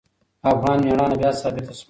افغان میړانه بیا ثابته شوه.